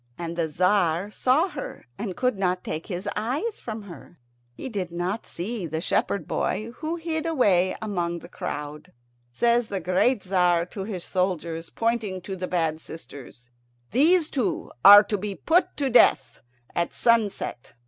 And the Tzar saw her, and could not take his eyes from her. He did not see the shepherd boy, who hid away among the crowd. Says the great Tzar to his soldiers, pointing to the bad sisters, "These two are to be put to death at sunset.